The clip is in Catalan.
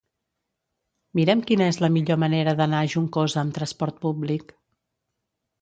Mira'm quina és la millor manera d'anar a Juncosa amb trasport públic.